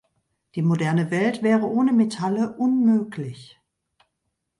Die moderne Welt wäre ohne Metalle unmöglich.